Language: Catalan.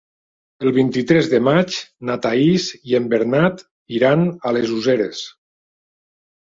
El vint-i-tres de maig na Thaís i en Bernat iran a les Useres.